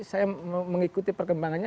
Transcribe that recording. saya mengikuti perkembangannya